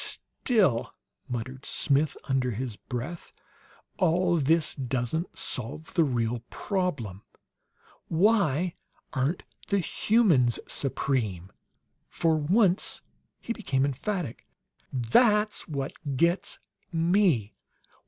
"Still," muttered Smith, under his breath, "all this doesn't solve the real problem. Why aren't the HUMANS supreme?" For once he became emphatic. "That's what gets me!